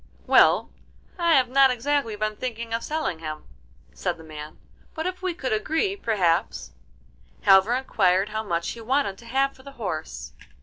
'Well, I have not exactly been thinking of selling him,' said the man, 'but if we could agree, perhaps——' Halvor inquired how much he wanted to have for the horse.